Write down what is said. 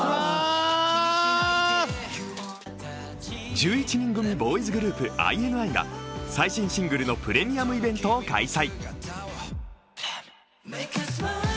１１人組ボーイズグループ・ＩＮＩが最新シングルのプレミアムイベントを開催。